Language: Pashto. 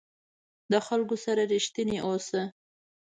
د خلکو سره رښتینی اوسه.